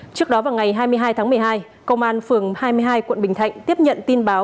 trước đó vào ngày hai mươi hai tháng một mươi hai công an phường hai mươi hai quận bình thạnh tiếp nhận tin báo